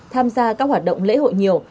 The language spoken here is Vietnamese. tham gia các hoạt động lễ hội nhiều